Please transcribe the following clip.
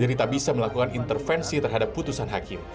kami tidak bisa melakukan intervensi terhadap putusan hakim